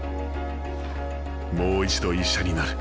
もう一度医者になる。